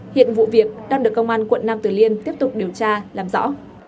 hiện vụ việc đang được công an quận nam tử liêm tiếp tục điều tra làm rõ